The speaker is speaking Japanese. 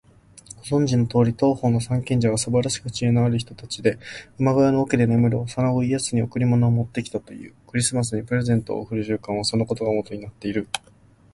ご存じのとおり、東方の三賢者はすばらしく知恵のある人たちで、馬小屋の桶で眠る幼子イエスに贈り物を持ってきたという。クリスマスにプレゼントを贈る習慣は、そのことがもとになっている。